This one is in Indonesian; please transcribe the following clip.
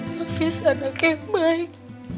hafiz anak yang baik